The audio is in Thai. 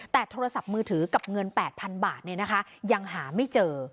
แต่โทรศัพท์มือถือกับเงิน๘๐๐๐บาทยังหาไม่เจอ